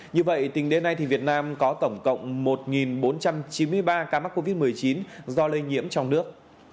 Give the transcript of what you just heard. như vậy tính đến nay việt nam có tổng cộng một bốn trăm chín mươi ba ca mắc covid một mươi chín do lây nhiễm trong nước